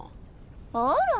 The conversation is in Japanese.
あら？